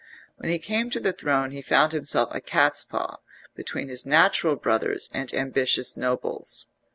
When he came to the throne he found himself a catspaw between his natural brothers and ambitious nobles.